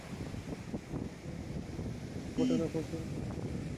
অনেক ব্যক্তি দৈনন্দিন জীবনের ছোট ছোট ঘটনা খুব দ্রুত ভুলে যান।